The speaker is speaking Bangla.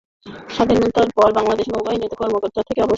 স্বাধীনতার পর বাংলাদেশ নৌবাহিনীতে কর্মরত থেকে অবসর নেন।